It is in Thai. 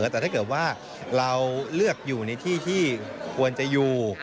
แต่ถ้าเกิดว่าเราเลือกอยู่ในที่ที่ควรจะอยู่